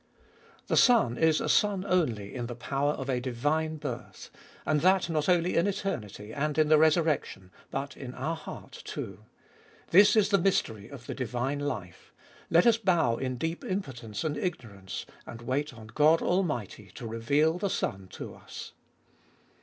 3. The Son is a Son only in the power of a divine birth. And that not only in eternity, and in the resurrection, but in our heart too. This is the mystery of the divine life: let us bow in deep impotence and ignorance, and wait on God Almighty to reveal the Son to us.